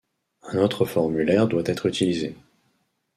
Un autre formulaire doit être utilisé.